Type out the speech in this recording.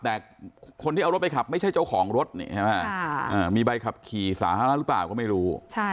แต่คนที่เอารถไปขับไม่ใช่เจ้าของรถมีใบขับขี่สาธารณะหรือเปล่าก็ไม่รู้